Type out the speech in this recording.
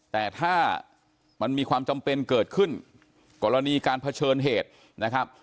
แต่ถ้ามันมีความจำเป็นเกิดขึ้นกรณีการเผชิญเหตุนะครับ